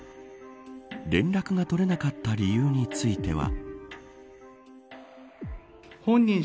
連絡が取れなかった理由については。